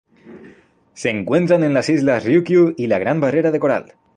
Se encuentran en las Islas Ryukyu y la Gran Barrera de Coral.